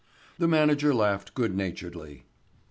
The manager laughed good naturedly.